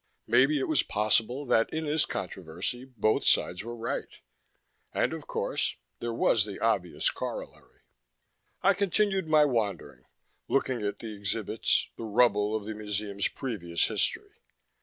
Maybe it was possible that in this controversy both sides were right. And, of course, there was the obvious corollary. I continued my wandering, looking at the exhibits, the rubble of the museum's previous history.